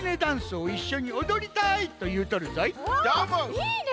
いいね！